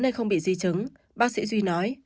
nên không bị di chứng bác sĩ duy nói